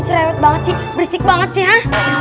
cerewet banget sih berisik banget sih ha